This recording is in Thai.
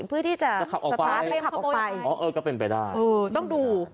เพื่อที่จะขับออกขวาหรือขับออกไปอ๋อเออก็เป็นไปได้เออต้องดู